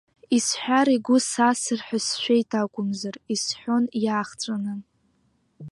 Исҳәар игәы сасыр ҳәа сшәеит акәымзар, иасҳәон иаахҵәаны.